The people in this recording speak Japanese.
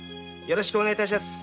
よろしくお願い致しやす。